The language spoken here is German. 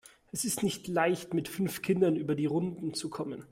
Es ist nicht leicht, mit fünf Kindern über die Runden zu kommen.